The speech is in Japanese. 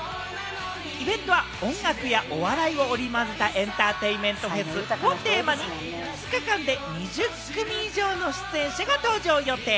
イベントは音楽やお笑いを織り交ぜたエンターテインメントフェスをテーマに２日間で２０組以上の出演者が登場予定。